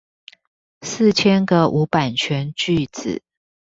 四千個無版權句子